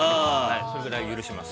それぐらい許します。